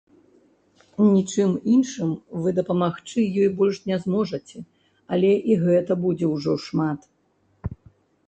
Нічым іншым вы дапамагчы ёй больш не зможаце, але і гэта будзе ўжо шмат.